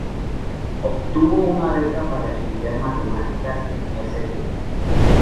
Obtuvo una beca para estudiar Matemática en St.